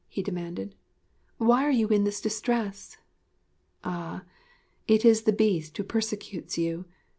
he demanded. 'Why are you in this distress?... Ah, it is the Beast who persecutes you!